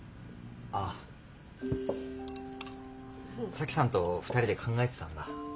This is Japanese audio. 沙樹さんと２人で考えてたんだ。